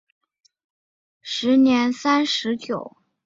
时年三十九。